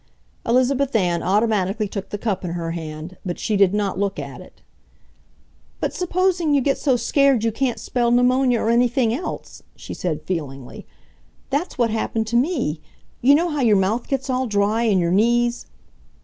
Elizabeth Ann automatically took the cup in her hand, but she did not look at it. "But supposing you get so scared you can't spell 'pneumonia' or anything else!" she said feelingly. "That's what happened to me. You know how your mouth gets all dry and your knees